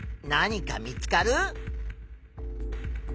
何か見つかる？